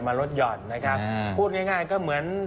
ลดหย่อนนะครับพูดง่ายก็เหมือน